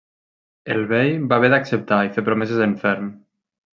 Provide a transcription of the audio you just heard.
El bei va haver d’acceptar i fer promeses en ferm.